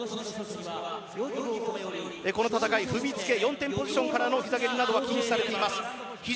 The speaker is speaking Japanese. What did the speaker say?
この戦い、踏み付けポジション４点ポイントからのひざ蹴りは禁止されています。